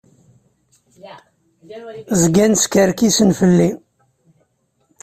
Zgan skerkisen fell-i.